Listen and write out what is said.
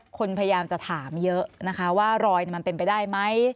คนพยายามจะถามเยอะนะคะว่ารอยมันเป็นไปได้ไหม